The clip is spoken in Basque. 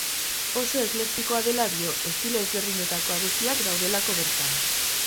Oso eklektikoa dela dio, estilo ezberdinetako abestiak daudelako bertan.